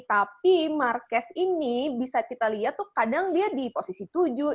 tapi marquez ini bisa kita lihat tuh kadang dia di posisi tujuh